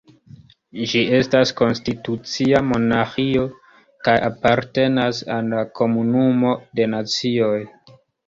Ĝi estas konstitucia monarĥio kaj apartenas al la Komunumo de Nacioj.